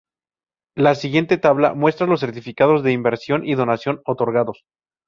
La siguiente tabla muestra los certificados de inversión y donación otorgados.